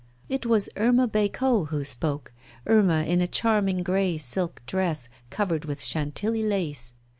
It was Irma Bécot who spoke, Irma in a charming grey silk dress, covered with Chantilly lace.